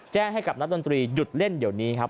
แจ้งให้กับนักดนตรีหยุดเล่นเดี๋ยวนี้ครับ